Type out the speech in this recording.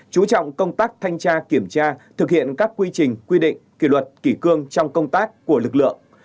chú trọng công tác thanh tra kiểm tra thực hiện các quy trình quy định kỷ luật kỷ cương trong công tác của lực lượng